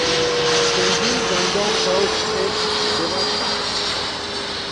Penguin Random House Eds., Debate.